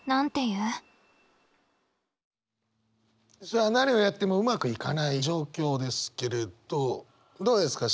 さあ何をやってもうまくいかない状況ですけれどどうですか？